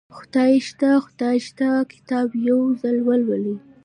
خدای شته خدای شته کتاب یو ځل ولولئ